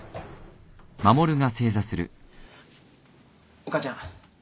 お母ちゃん